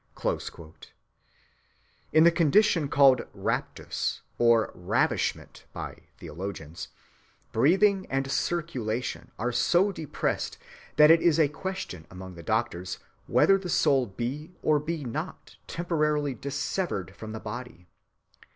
(257) In the condition called raptus or ravishment by theologians, breathing and circulation are so depressed that it is a question among the doctors whether the soul be or be not temporarily dissevered from the body.